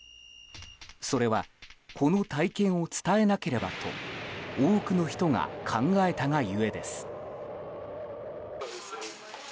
それは、この体験を伝えなければと多くの人が考えたがゆえです。